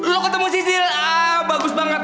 lo ketemu si sil ah bagus banget